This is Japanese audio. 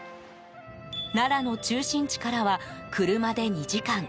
奈良の中心地からは車で２時間。